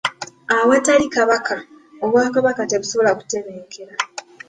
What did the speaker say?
Awatali kabaka, obwakabaka tebusobola kutebenkera.